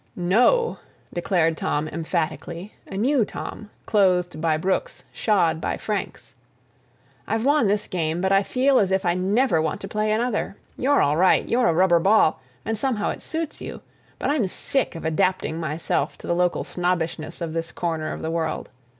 "No," declared Tom emphatically, a new Tom, clothed by Brooks, shod by Franks, "I've won this game, but I feel as if I never want to play another. You're all right—you're a rubber ball, and somehow it suits you, but I'm sick of adapting myself to the local snobbishness of this corner of the world.